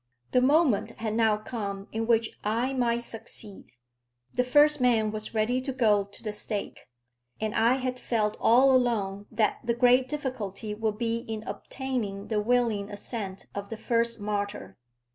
The moment had now come in which I might succeed. The first man was ready to go to the stake, and I had felt all along that the great difficulty would be in obtaining the willing assent of the first martyr.